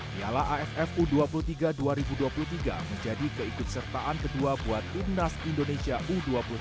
piala aff u dua puluh tiga dua ribu dua puluh tiga menjadi keikut sertaan kedua buat timnas indonesia u dua puluh tiga